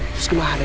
terus kemana dong